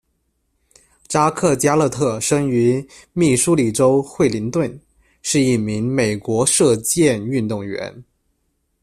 扎克·加勒特生于密苏里州惠灵顿，是一名美国射箭运动员。